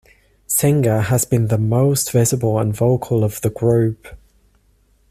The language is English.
Singer has been the most visible and vocal of the group.